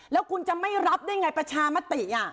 แล้วคุณจะไม่รับได้ไงประชามติ